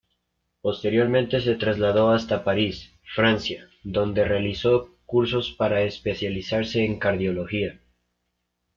Posteriormente, se trasladó hasta París, Francia, donde realizó cursos para especializarse en cardiología.